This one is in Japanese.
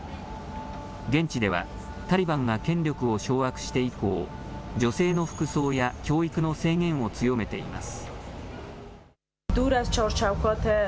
現地ではタリバンが権力を掌握して以降、女性の服装や教育の制限を強めています。